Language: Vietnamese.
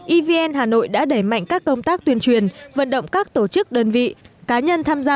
evn hà nội đã đẩy mạnh các công tác tuyên truyền vận động các tổ chức đơn vị cá nhân tham gia